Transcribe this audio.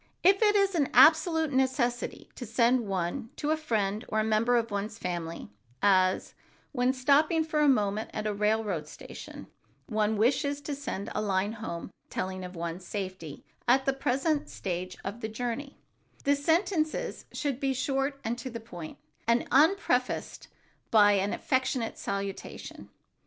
If it is an absolute necessity to send one to a friend or a member of one's family, as, when stopping for a moment at a railroad station one wishes to send a line home telling of one's safety at the present stage of the journey, the sentences should be short and to the point, and unprefaced by an affectionate salutation.